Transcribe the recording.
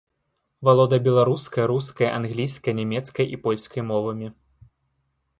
Валодае беларускай, рускай, англійскай, нямецкай і польскай мовамі.